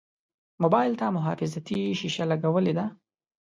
موبایل ته محافظتي شیشه لګولې ده.